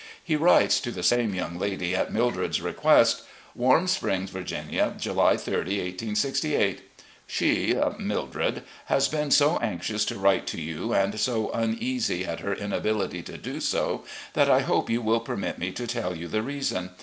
He writes to the same young lady, at Mildred's request: "Warm Springs, Virginia, July 30, 1868. "... She [Mildred] has been so anxious to write to you, and so uneasy at her inability to do so, that I hope you will permit me to tell you the reason.